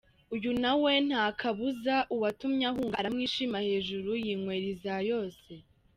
Uyu nawe ntakabuza uwatumye ahunga aramwishima hejuru yinywera izayose.